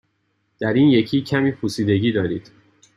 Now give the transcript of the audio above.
در این یکی کمی پوسیدگی دارید.